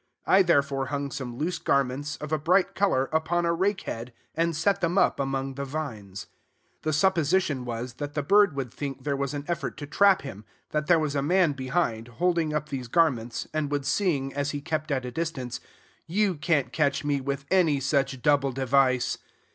I therefore hung some loose garments, of a bright color, upon a rake head, and set them up among the vines. The supposition was, that the bird would think there was an effort to trap him, that there was a man behind, holding up these garments, and would sing, as he kept at a distance, "You can't catch me with any such double device."